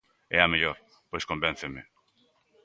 E ao mellor, pois, convénceme.